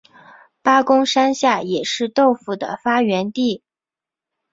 八公山下也是豆腐的发源地。